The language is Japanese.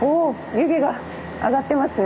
湯気が上がってますね。